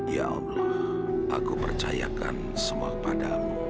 ya allah aku percayakan semua kepadamu